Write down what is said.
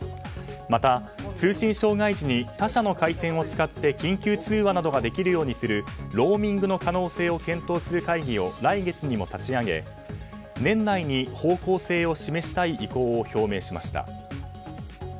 また、通信障害時に他社の回線を使って緊急通話などができるようにするローミングの可能性を検討する会議を来月にも立ち上げ年内に方向性を示したい意向を表明しました。